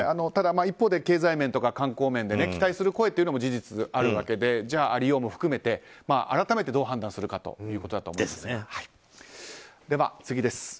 ただ一方で経済面とか観光面で期待する声も事実あるわけでじゃあ在り様も含めて改めてどう判断するかということだと思います。